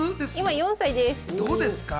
４歳です。